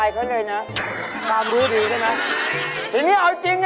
ปลาอะไร